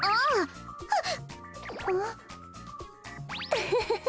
ウフフフ。